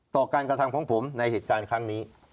ต่อการกระทำของผมในเหตุการณ์ครั้งนี้